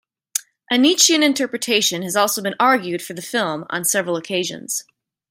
A Nietzschean interpretation has also been argued for the film on several occasions.